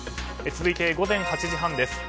続いて午前８時半です。